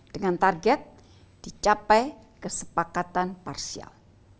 dengan target dicapai kesepakatan parsial